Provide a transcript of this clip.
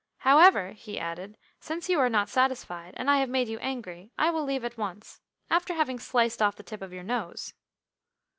However," he added, "since you are not satisfied, and I have made you angry, I will leave at once, after having sliced off the tip of your nose."